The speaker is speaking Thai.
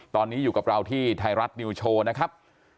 ตอนนี้อยู่กับเราที่ไทยรัฐนิวโชว์นะครับ